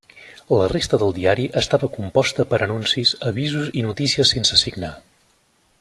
La resta del diari estava composta per anuncis, avisos i notícies sense signar.